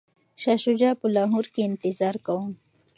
شاه شجاع په لاهور کي انتظار کاوه.